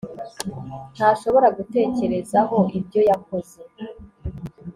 ntashobora gutekerezaho ibyo yakoze